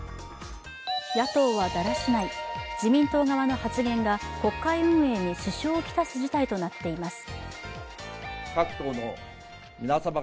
野党はだらしない、自民党側の発言が国会運営に支障をきたす事態となっています。